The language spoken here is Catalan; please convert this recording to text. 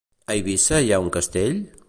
A Eivissa hi ha un castell?